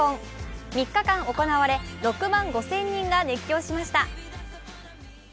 ３日間行われ、６万５０００人が熱狂しました。